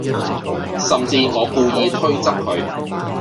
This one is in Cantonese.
甚至我故意推側佢